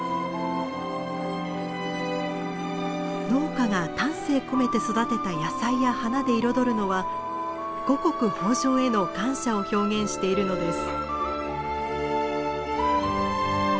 農家が丹精込めて育てた野菜や花で彩るのは五穀豊穣への感謝を表現しているのです。